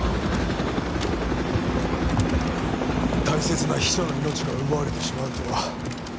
大切な秘書の命が奪われてしまうとは。